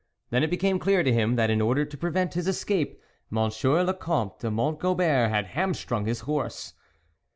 Then it became clear to him, that in order to prevent his escape, Monsieur le Comte de Mont Gobert had hamstrung his horse.